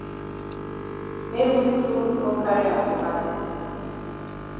Make we too no carry am for hat.